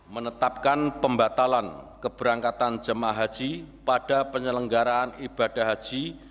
menetapkan pembatalan keberangkatan jemaah haji pada penyelenggaraan ibadah haji